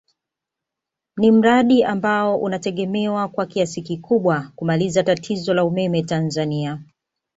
Ni mradi ambao unategemewa kwa kiasi kikubwa kumaliza tatizo la umeme Tanzania